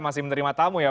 masih menerima tamu ya pak